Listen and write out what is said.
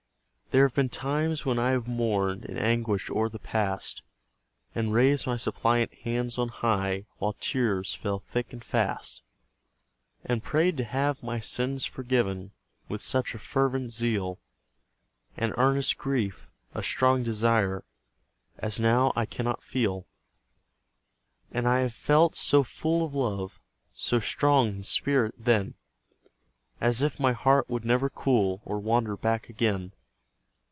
There have been times when I have mourned! In anguish o'er the past, And raised my suppliant hands on high, While tears fell thick and fast; And prayed to have my sins forgiven, With such a fervent zeal, An earnest grief, a strong desire As now I cannot feel. And I have felt so full of love, So strong in spirit then, As if my heart would never cool, Or wander back again.